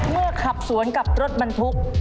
ขับสวนกับรถบรรทุก